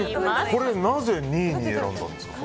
これなぜ２位に選んだんですか。